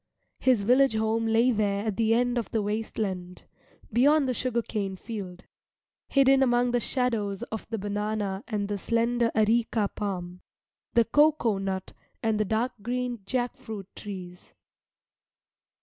His village home lay there at the end of the waste land, beyond the sugar cane field, hidden among the shadows of the banana and the slender areca palm, the cocoa nut and the dark green jack fruit trees.